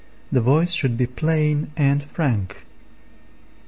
The voice should be plain and frank.